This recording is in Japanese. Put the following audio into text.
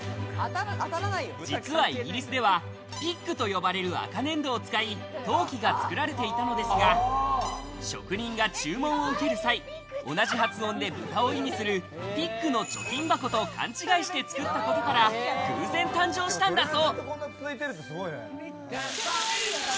実はイギリスでは、ピッグと呼ばれる赤粘土を使い、陶器が作られていたのですが職人が注文を受ける際、同じ発音で豚を意味するピッグの貯金箱と勘違いして作ったことから、偶然誕生したんだそう。